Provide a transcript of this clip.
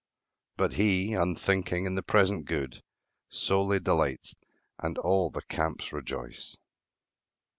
But he, unthinking, in the present good Solely delights, and all the camps rejoice.